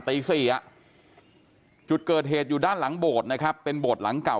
ตี๔จุดเกิดเหตุอยู่ด้านหลังโบสถ์นะครับเป็นโบสถ์หลังเก่า